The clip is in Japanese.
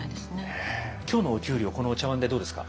今日のお給料このお茶碗でどうですか？